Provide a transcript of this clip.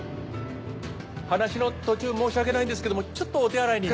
話の途中申し訳ないんですけどもちょっとお手洗いに。